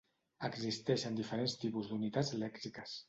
Existeixen diferents tipus d'unitats lèxiques.